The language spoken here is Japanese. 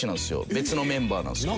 別のメンバーなんですけど。